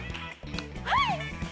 はい！